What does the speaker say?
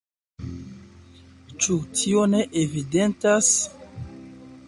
Ĉu tio ne evidentas?